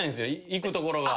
行く所が。